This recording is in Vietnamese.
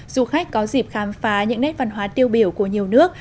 du khách có dịp khám phá những nét văn hóa tiêu biểu của nhiều nước